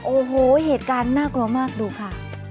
โอ้โหเหตุการณ์น่ากลัวมากดูค่ะ